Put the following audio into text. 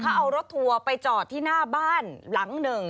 เขาเอารถทัวร์ไปจอดที่หน้าบ้านหลังหนึ่ง